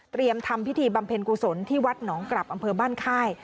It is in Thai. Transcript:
ทำพิธีบำเพ็ญกุศลที่วัดหนองกลับอำเภอบ้านค่าย